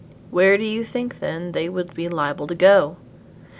"Where do you think, then, they would be liable to go?"